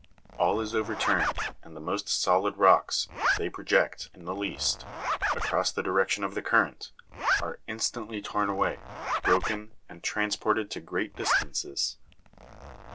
All is overturned, and the most solid rocks, if they project, in the'least, across the direction of the current, are instantly torn away, broken, and transported to great distances.